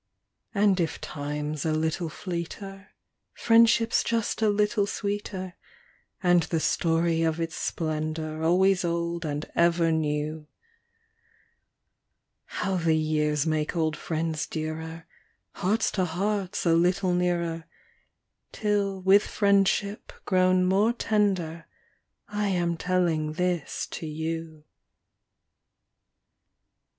y\AJD if time's a little / V fleeter, friendship s just a little sxx>eeter, And the storp o" its splendor AlvOaps old and eVer neu); Hovc> the pears make old friends dearet~, Hearts to hearts a little nearer Till voith friendship pro>xm more tender I am tellina this to ou.